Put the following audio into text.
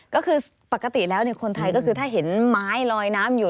ก็คือปกติแล้วคนไทยก็คือถ้าเห็นไม้ลอยน้ำอยู่